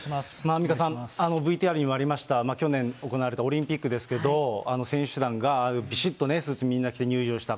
アンミカさん、ＶＴＲにもありました、去年行われたオリンピックですけれども、選手団がああいうびしっとスーツみんな着て入場した。